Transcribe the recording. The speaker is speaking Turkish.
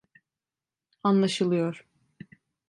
Anlaşılıyor.